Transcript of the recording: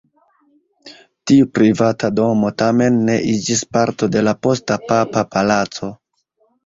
Tiu privata domo tamen ne iĝis parto de la posta papa palaco.